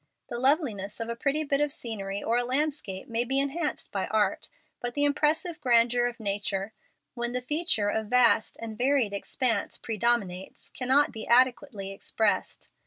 The loveliness of a pretty bit of scenery or of a landscape may be enhanced by art, but the impressive grandeur of nature, when the feature of vast and varied expanse predominates, cannot be adequately expressed.